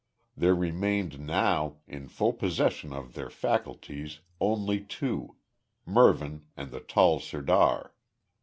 There remained now, in full possession of their faculties, only two Mervyn and the tall sirdar.